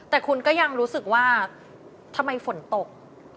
แต่คุณก็ยังรู้สึกว่าทำไมฝนตก